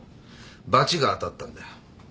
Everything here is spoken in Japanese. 罰が当たったんだよ。